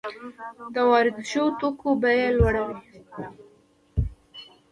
د وارد شویو توکو بیه یې لوړه وي